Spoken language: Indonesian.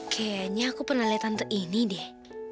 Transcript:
kayaknya aku pernah lihat tante ini deh